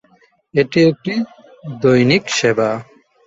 এটি একটি দৈনিক সেবা।